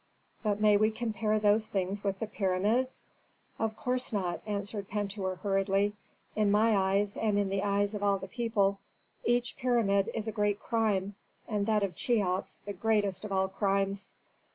"But may we compare those things with the pyramids?" "Of course not," answered Pentuer, hurriedly. "In my eyes and in the eyes of all the people, each pyramid is a great crime, and that of Cheops, the greatest of all crimes."